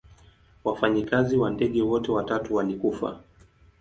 Wafanyikazi wa ndege wote watatu walikufa.